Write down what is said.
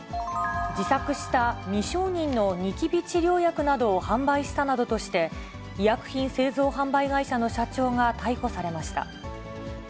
自作した未承認のニキビ治療薬などを販売したなどとして、医薬品製造販売会社の社長が逮捕されました。